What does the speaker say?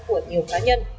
của nhiều cá nhân